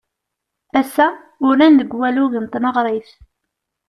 Ass-a, uran deg walug n tneɣrit.